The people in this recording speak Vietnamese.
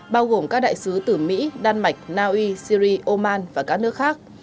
bao gồm các đại sứ từ mỹ đan mạch naui syri oman và các nước khác